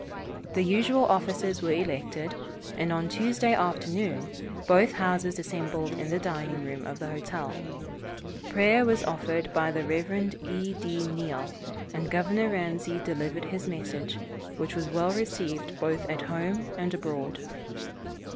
The usual officers were elected, and on Tuesday afternoon both houses assembled in the dining room of the hotel. Prayer was offered by the Rev. E. D. Neill, and Governor Ramsey delivered his message, which was well received both at home and abroad.